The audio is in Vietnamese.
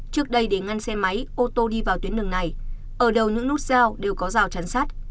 trước đây để ngăn xe máy ô tô đi vào tuyến đường này ở đầu những nút giao đều có rào chắn sát